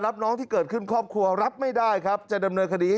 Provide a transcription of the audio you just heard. รับน้องที่เกิดขึ้นครอบครัวรับไม่ได้ครับจะดำเนินคดี